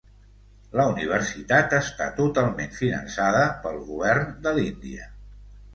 La universitat està totalment finançada pel Govern de l'Índia.